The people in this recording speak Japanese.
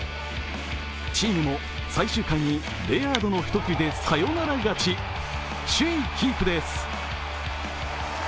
チームも最終回にレアードの１振りでサヨナラ勝ちで首位キープです。